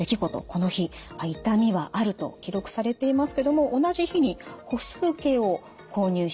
この日「痛みはある」と記録されていますけども同じ日に歩数計を購入しています。